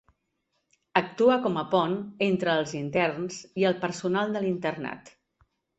Actua com a pont entre els interns i el personal de l'internat.